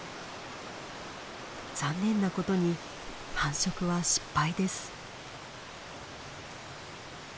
残念なことに繁殖は失敗です。